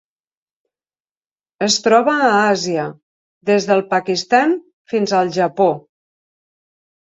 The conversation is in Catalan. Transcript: Es troba a Àsia: des del Pakistan fins al Japó.